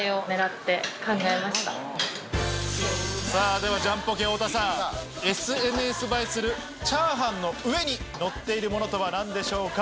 ではジャンポケ・太田さん、ＳＮＳ映えするチャーハンの上に乗っているものとは何でしょうか？